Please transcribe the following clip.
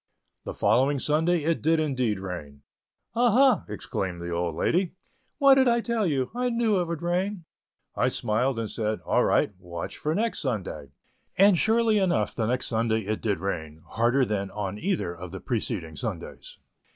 The following Sunday it did indeed rain. "Ah, ha!" exclaimed the old lady, "what did I tell you? I knew it would rain." I smiled, and said, "all right, watch for next Sunday." And surely enough the next Sunday it did rain, harder than on either of the preceding Sundays.